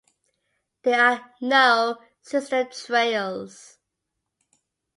There are no system trails.